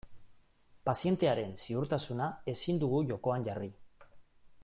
Pazientearen ziurtasuna ezin dugu jokoan jarri.